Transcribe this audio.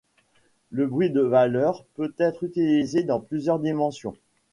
Le bruit de valeur peut être utilisé dans plusieurs dimensions.